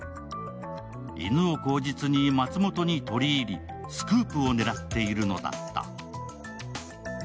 犬を口実に松本に取り入り、スクープを狙っているのだった。